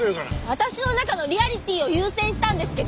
私の中のリアリティーを優先したんですけど！